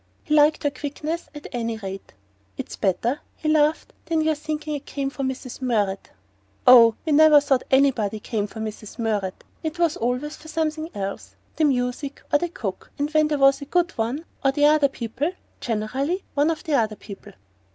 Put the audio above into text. He liked her quickness, at any rate. "It's better," he laughed, "than your thinking I came for Mrs. Murrett!" "Oh, we never thought anybody came for Mrs. Murrett! It was always for something else: the music, or the cook when there was a good one or the other people; generally ONE of the other people."